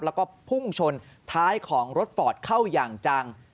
แล้วก็พุ่งชนท้ายของรถฟอร์ตเข้าอย่างจัง